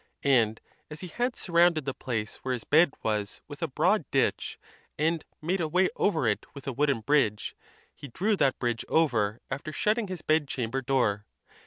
. And as he had surrounded the place where his bed was with a broad ditch, and made a way over it with a wooden bridge, he drew that bridge over after shutting his bedchamber door.